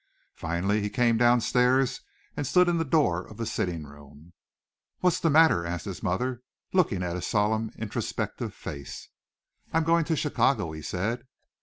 Finally he came downstairs and stood in the door of the sitting room. "What's the matter?" asked his mother, looking at his solemn introspective face. "I'm going to Chicago," he said.